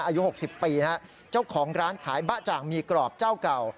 อายุ๖๐ปีนะฮะเจ้าของร้านขายบะจ่างมีกรอบเจ้าเก่า